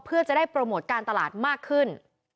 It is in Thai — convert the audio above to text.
และทำงานตลาดมากขึ้น